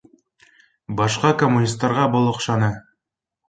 Башҡа коммунистарға был оҡшаны